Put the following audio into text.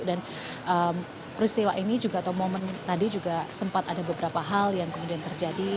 dan peristiwa ini juga atau momen tadi juga sempat ada beberapa hal yang kemudian terjadi